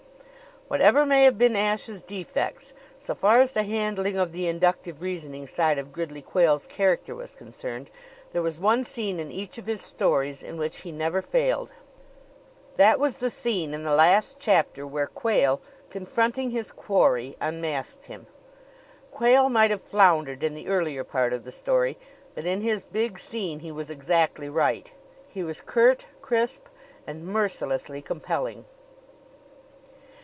Whatever may have been Ashe's defects, so far as the handling of the inductive reasoning side of Gridley Quayle's character was concerned, there was one scene in each of his stories in which he never failed. That was the scene in the last chapter where Quayle, confronting his quarry, unmasked him. Quayle might have floundered in the earlier part of the story, but in his big scene he was exactly right. He was curt, crisp and mercilessly compelling.